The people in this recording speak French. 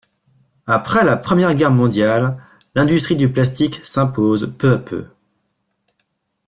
Après la Première Guerre mondiale, l’industrie du plastique s’impose peu à peu.